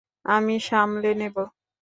আমি সামলে নেবো।